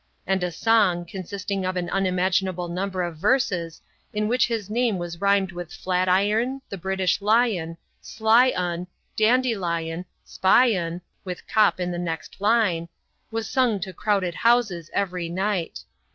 And a song, consisting of an unimaginable number of verses, in which his name was rhymed with flat iron, the British Lion, sly 'un, dandelion, Spion (With Kop in the next line), was sung to crowded houses every night.